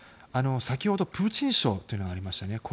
先ほどプーチン賞というのがありましたね。